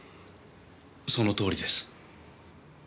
そのとおりです。